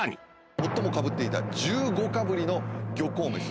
最もかぶっていた１５かぶりの漁港飯